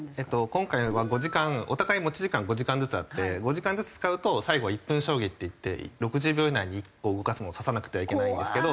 今回は５時間お互い持ち時間５時間ずつあって５時間ずつ使うと最後は１分将棋っていって６０秒以内に動かす指さなくてはいけないんですけど。